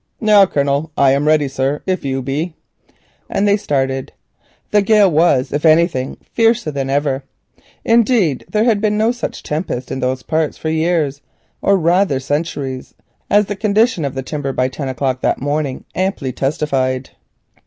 "Now, Colonel, I'm ready, sir, if you be;" and they started. The gale was, if anything, fiercer than ever. Indeed, there had been no such wind in those parts for years, or rather centuries, as the condition of the timber by ten o'clock that morning amply testified.